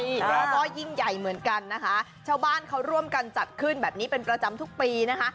แล้วก็ยิ่งใหญ่เหมือนกันนะคะชาวบ้านเขาร่วมกันจัดขึ้นแบบนี้เป็นประจำทุกปีนะคะ